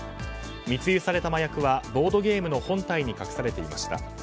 密輸された麻薬はボードゲームの本体に隠されていました。